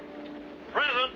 はい。